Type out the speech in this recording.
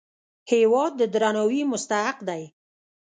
هېواد د درناوي مستحق دی.